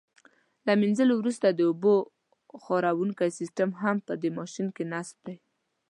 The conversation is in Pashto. له منځلو وروسته د اوبو خاروونکی سیسټم هم په دې ماشین کې نصب دی.